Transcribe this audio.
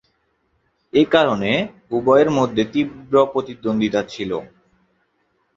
এই কারণে উভয়ের মধ্যে তীব্র প্রতিদ্বন্দ্বিতা ছিল।